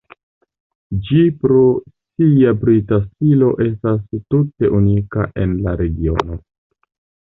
Ĝi pro sia brita stilo estas tute unika en la regiono.